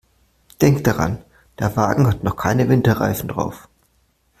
Denk daran, der Wagen hat noch keine Winterreifen drauf.